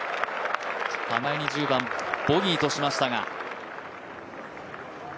互いに１０番ボギーとしましたが。